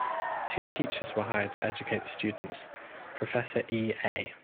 Two teachers were hired to educate the students: Professor E. A.